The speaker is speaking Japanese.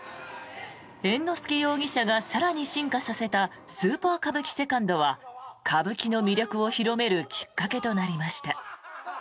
猿之助容疑者が更に進化させたスーパー歌舞伎セカンドは歌舞伎の魅力を広めるきっかけとなりました。